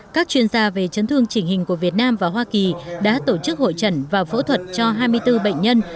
các chuyên gia về chấn thương chỉnh hình của việt nam và hoa kỳ đã tổ chức hội trần và phẫu thuật cho hai mươi bốn bệnh nhân